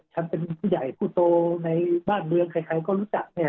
ฉันเป็นผู้ใหญ่ผู้โตในบ้านเมืองใครก็รู้จักเนี่ย